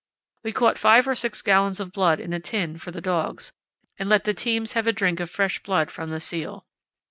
We caught five or six gallons of blood in a tin for the dogs, and let the teams have a drink of fresh blood from the seal.